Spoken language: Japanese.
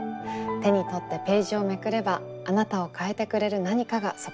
手に取ってページをめくればあなたを変えてくれる何かがそこにあるかもしれません。